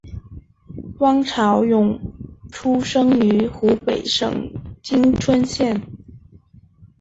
汪潮涌出生于湖北省蕲春县。